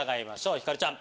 ひかるちゃん